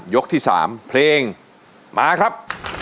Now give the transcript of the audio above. ที่๓เพลงมาครับ